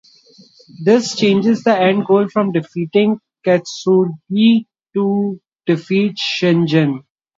This changes the end goal from defeating Katsuyori to defeat Shingen.